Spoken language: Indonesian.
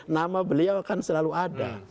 nama beliau akan selalu ada